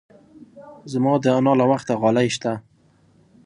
زما د انا له وخته غالۍ شته.